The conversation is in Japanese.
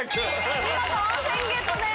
見事温泉ゲットです。